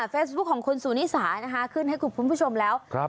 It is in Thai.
เฟซบุ๊คของคุณสูนิสานะคะขึ้นให้คุณผู้ชมแล้วครับ